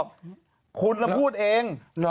ถูกพูดเอง